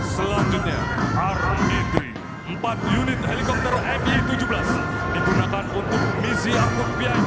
selanjutnya armi tiga empat unit helikopter fi tujuh belas digunakan untuk misi akut pimb